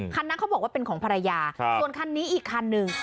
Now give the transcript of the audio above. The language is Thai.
คันนั้นเขาบอกว่าเป็นของภรรยาส่วนคันนี้อีกคันหนึ่ง